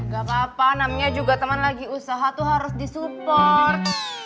gak apa apa namanya juga teman lagi usaha tuh harus disupport